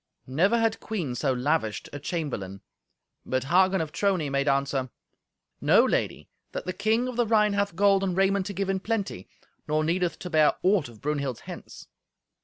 Never had queen so lavished a chamberlain. But Hagen of Trony made answer, "Know, Lady, that the King of the Rhine hath gold and raiment to give in plenty, nor needeth to bear aught of Brunhild's hence."